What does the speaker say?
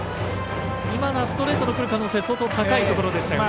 今のはストレートのくる可能性、相当高いところでしたね。